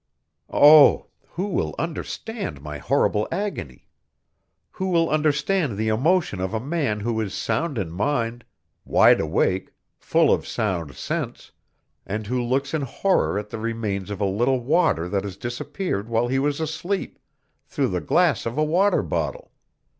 Oh! Who will understand my horrible agony? Who will understand the emotion of a man who is sound in mind, wide awake, full of sound sense, and who looks in horror at the remains of a little water that has disappeared while he was asleep, through the glass of a water bottle?